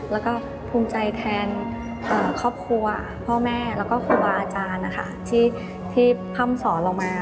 แล้วก็ภูมิใจแทนครอบครัวพ่อแม่แล้วก็ครูบาอาจารย์นะคะที่พร่ำสอนเรามา